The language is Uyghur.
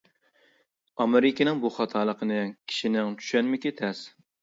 ئامېرىكىنىڭ بۇ خاتالىقىنى كىشىنىڭ چۈشەنمىكى تەس.